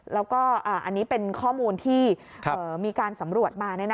แล้วก็อันนี้เป็นข้อมูลที่มีการสำรวจมา